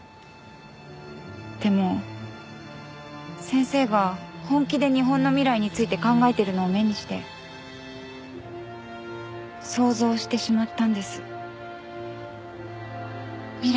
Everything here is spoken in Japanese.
でも先生が本気で日本の未来について考えているのを目にして想像してしまったんです未来を。